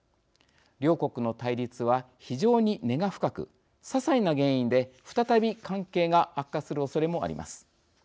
両国の対立は非常に根が深くささいな原因で再び関係が悪化するおそれもあります。